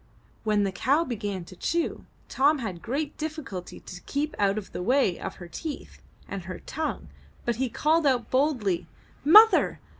When the cow began to chew, Tom had great difficulty to keep out of the way of her teeth and her tongue, but he called out boldly, ''Mother!